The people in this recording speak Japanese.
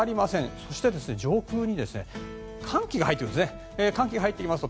そして、上空に寒気が入ってくるんですね。